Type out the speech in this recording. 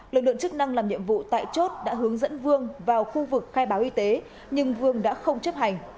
lực lượng chức năng làm nhiệm vụ tại chốt đã hướng dẫn vương vào khu vực khai báo y tế nhưng vương đã không chấp hành